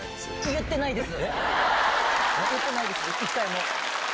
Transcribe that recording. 言ってないです。